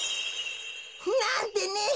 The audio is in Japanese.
なんてね！